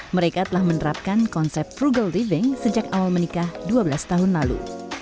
mereka telah menerapkan konsep frugal living sejak awal menikah dua belas tahun lalu